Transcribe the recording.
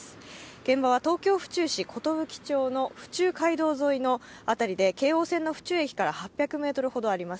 現場は東京・府中市寿町の府中街道沿いの辺りで京王線の府中駅から８００ｍほどあります。